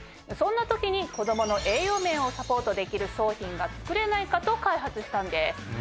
そんな時に子供の栄養面をサポートできる商品が作れないかと開発したんです。